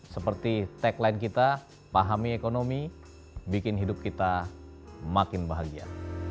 seperti tagline kita pahami ekonomi bikin hidup kita makin bahagia